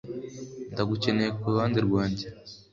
Ndagukeneye kuruhande rwanjye